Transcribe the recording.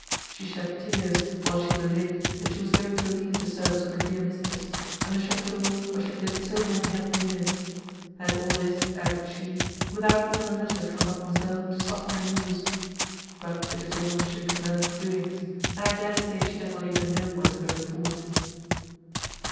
She shed tears, while she related, that she was going to leave the service of her dear mistress, and the château where she had lived so many happy years; and all this, added she, without even a letter from Mademoiselle to soften the news; but it is all Mons. Quesnel's doings, and I dare say she does not even know what is going forward."